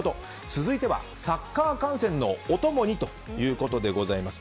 続いては、サッカー観戦のお供にということでございます。